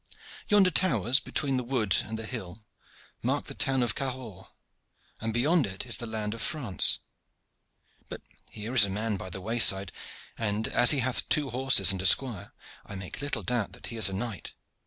Yonder towers, between the wood and the hill, mark the town of Cahors, and beyond it is the land of France. But here is a man by the wayside, and as he hath two horses and a squire I make little doubt that he is a knight.